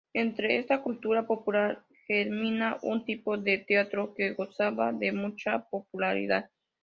Entre esta cultura popular germina un tipo de teatro que gozaba de mucha popularidad.